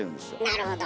なるほど。